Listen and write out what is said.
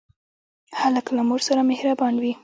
هلک له مور سره مهربان وي.